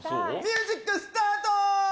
ミュージックスタート！